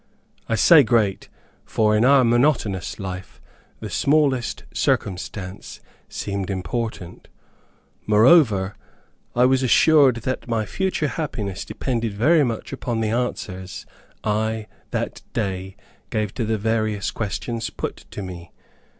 I say great, for in our monotonous life, the smallest circumstance seemed important. Moreover, I was assured that my future happiness depended very much upon the answers, I that day gave to the various questions put to me.